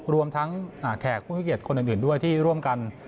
รวมทั้งแขกคุณพิเกษคนอื่นด้วยที่ร่วมกัน